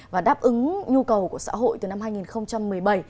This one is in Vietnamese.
và đáp ứng nhu cầu của xã hội từ năm hai nghìn một mươi bảy